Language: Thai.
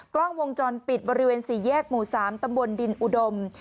กล้องวงจรปิดบริเวณ๔แยกหมู่๓ตำบลดินอุดม